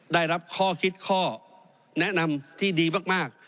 ได้รับข้อคิดข้อแนะนำที่ดีมาก